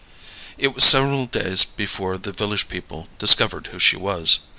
It was several days before the village people discovered who she was.